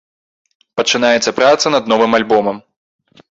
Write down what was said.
Пачынаецца праца над новым альбомам.